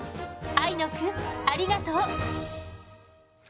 あいのくんありがとう。